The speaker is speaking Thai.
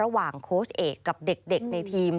ระหว่างโค้ชเอกกับเด็กในทีม